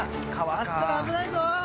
走ったら危ないぞ。